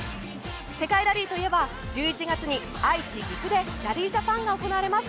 世界ラリーといえば１１月に愛知・岐阜でラリージャパンが行われます。